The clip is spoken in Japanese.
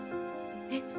え？